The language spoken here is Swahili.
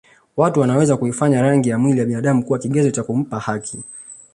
Watu wanaweza kuifanya rangi ya mwili ya binadamu kuwa kigezo cha kumpa haki